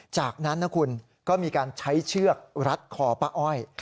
จากนั้นนะคุณก็มีการใช้เชือกรัดคอป้าอ้อย